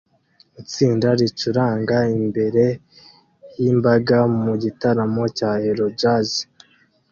Itsinda ricuranga imbere yimbaga mu gitaramo cya Euro Jazz